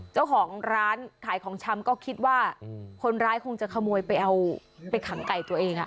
เจ้าของร้านขายของชำก็คิดว่าคนร้ายคงจะขโมยไปเอาไปขังไก่ตัวเอง